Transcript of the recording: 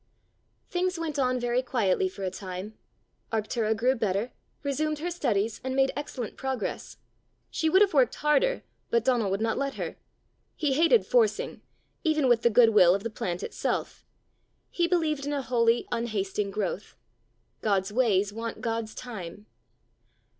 Things went on very quietly for a time. Arctura grew better, resumed her studies, and made excellent progress. She would have worked harder, but Donal would not let her. He hated forcing even with the good will of the plant itself. He believed in a holy, unhasting growth. God's ways want God's time.